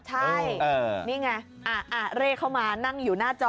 ใช่นี่ไงเร่เข้ามานั่งอยู่หน้าจอ